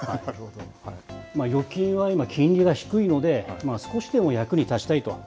預金は今、金利が低いので、少しでも役に立ちたいと。